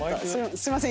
すいません。